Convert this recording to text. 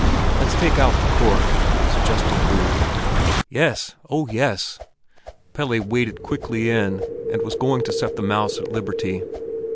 "Let's take out the cork!" suggested Rud. "Yes—oh, yes!" Pelle waded quickly in, and was going to set the mouse at liberty.